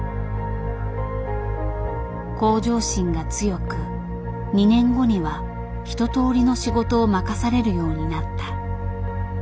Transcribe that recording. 向上心が強く２年後には一とおりの仕事を任されるようになった。